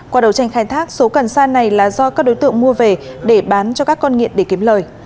qua đầu tranh khai thác số cần sa này là do các đối tượng mua về để bán cho các con nghiện để kiếm lời